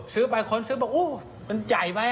ซื้อไปคนซื้อบอกอู้มันใหญ่ไหม